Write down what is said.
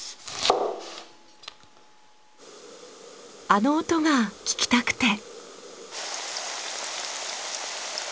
あの音が聞きたくて。